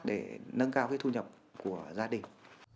để nâng cao cái thu nhập của gia đình